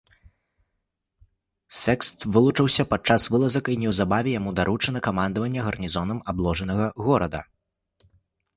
Секст вылучыўся падчас вылазак і неўзабаве яму даручана камандаванне гарнізонам абложанага горада.